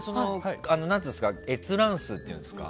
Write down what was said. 閲覧数っていうんですか。